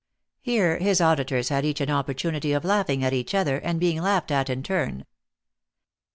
Here |his auditors had each an opportunity of laughing at each other, and being laughed at in turn.